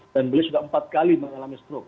dan beliau sudah empat kali mengalami stroke